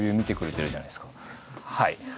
はい。